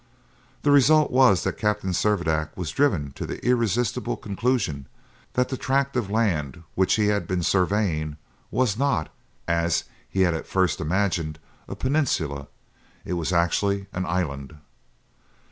The result was that Captain Servadac was driven to the irresistible conclusion that the tract of land which he had been surveying was not, as he had at first imagined, a peninsula; it was actually an island.